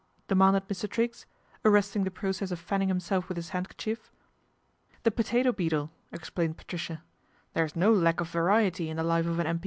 " demanded Mr. Triggs arresting the process of fanning himself with his handkerchief. 'The potato beetle," explained Patricia. ' There is no lack of variety in the life of an M.P.'